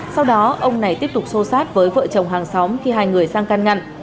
sau đó ông này tiếp tục xô sát với vợ chồng hàng xóm khi hai người sang can ngăn